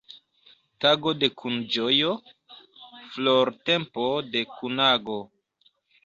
Tago de kunĝojo, flortempo de kunago.